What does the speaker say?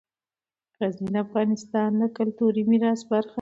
غزني د افغانستان د کلتوري میراث برخه ده.